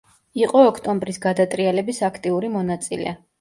იყო ოქტომბრის გადატრიალების აქტიური მონაწილე.